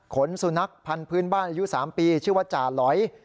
สุนัขพันธ์พื้นบ้านอายุ๓ปีชื่อว่าจ่าหลอย